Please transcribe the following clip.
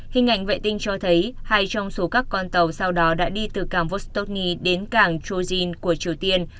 hình ảnh vệ tinh cho thấy hai trong số các con tàu sau đó đã đi từ càng vostokny đến càng chorjin của triều tiên